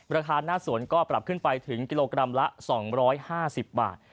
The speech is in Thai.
ราคาหน้าสวนก็ปรับขึ้นไปถึงกิโลกรัมละ๒๕๐บาท